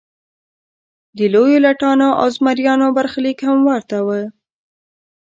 د لویو لټانو او زمریانو برخلیک هم ورته و.